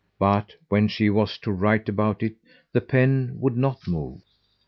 But when she was to write about it the pen would not move.